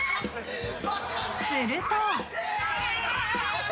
［すると］